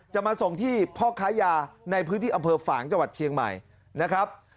จะมาส่งที่พ่อค้ายาในพื้นที่อำเภอฝางจังหวัดเชียงใหม่นะครับ